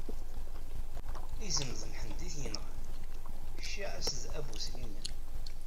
Izem d Mḥend i t-yenɣan, cciɛa-s d abu Sliman.